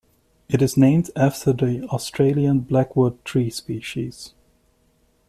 It is named after the Australian Blackwood tree species.